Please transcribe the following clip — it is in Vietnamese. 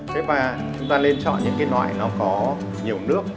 tức là chúng ta nên chọn những cái loại nó có nhiều nước